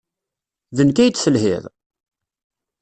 D nekk ay d-telhiḍ?